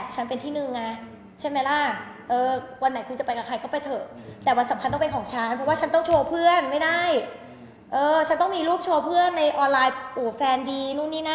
ใช่เพราะถ้าสมมติว่าผู้ชายเหล่านี้